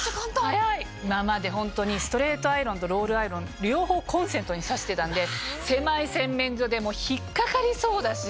今までストレートアイロンとロールアイロン両方コンセントにさしてたんで狭い洗面所で引っかかりそうだし。